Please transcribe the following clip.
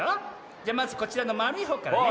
じゃまずこちらのまるいほうからね。